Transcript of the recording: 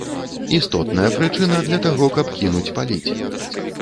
Істотная прычына для таго, каб кінуць паліць!